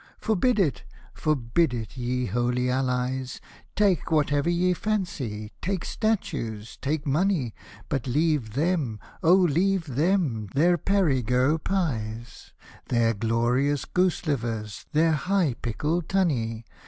Forbid it, forbid it, ye Holy Allies ! Take whatever ye fancy — take statues, take money — But leave them, oh leave them, their Perigueux pies, Their glorious goose livers, and high pickled tunny